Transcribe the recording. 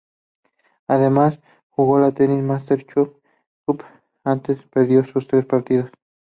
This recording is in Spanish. Además, jugó la Tennis Masters Cup, aunque perdió sus tres partidos.